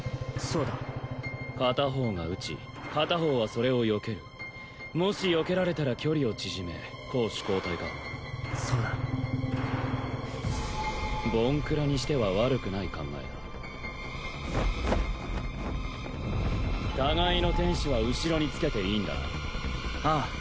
そうだ片方が撃ち片方はそれをよけるもしよけられたら距離を縮め攻守交代かそうだフンボンクラにしては悪くない考えだ互いの天使は後ろにつけていいんだなあ